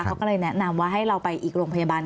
เขาก็เลยแนะนำว่าให้เราไปอีกโรงพยาบาล